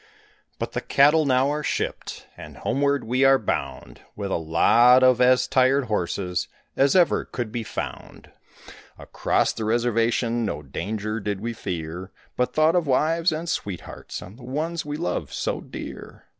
But the cattle now are shipped and homeward we are bound With a lot of as tired horses as ever could be found; Across the reservation no danger did we fear, But thought of wives and sweethearts and the ones we love so dear.